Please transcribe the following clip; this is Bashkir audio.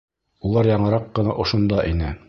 Улар яңыраҡ ҡына ошонда ине.